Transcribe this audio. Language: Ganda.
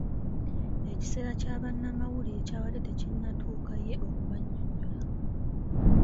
Ekiseera kya bannamawulire kyabadde tekinnatuuka ye okubanyonyola.